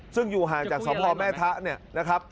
ซึ่งอยู่ห่างจากสพแม่ทะเนี่ยนะครับ